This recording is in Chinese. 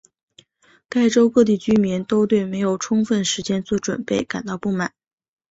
该州各地居民都对没有充分时间做准备感到不满。